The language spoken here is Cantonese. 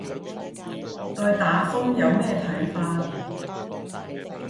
對打風有咩睇法